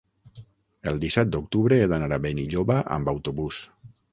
El disset d'octubre he d'anar a Benilloba amb autobús.